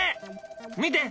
見て！